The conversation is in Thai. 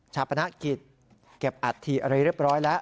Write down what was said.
ชาปนักกิจเก็บอัดทีอะไรเร็บร้อยแล้ว